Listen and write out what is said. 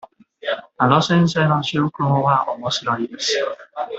あの先生の授業はおもしろいです。